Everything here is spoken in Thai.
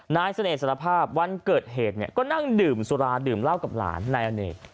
นายเสน่ห์สารภาพวันเกิดเหตุเนี่ยก็นั่งดื่มสุราดื่มเหล้ากับหลานนายอเนก